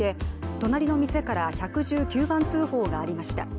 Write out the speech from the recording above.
隣の店から１１９番通報がありました。